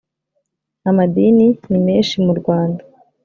amadini nimeshi mu rwanda.